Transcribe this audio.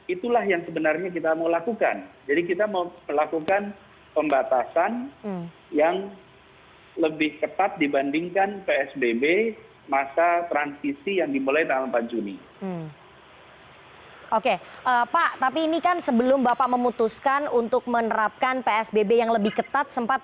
itulah sebabnya waktu itu kita terapkan sikm